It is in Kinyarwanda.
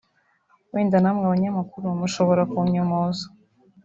wenda namwe abanyamakuru mushobora kunyomoza